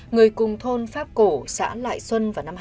người cùng thôn pháp cổ xã lại xuân vào năm hai nghìn sáu